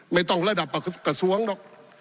ไม่ต้องระดับกระทรวงหรอก